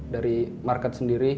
dari market sendiri